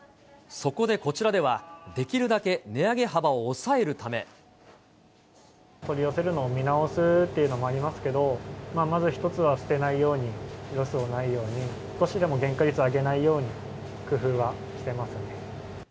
そこでこちらでは、取り寄せるのを見直すというのもありますけども、まず一つは捨てないように、ロスのないように、少しでも原価率を上げないように工夫はしてますね。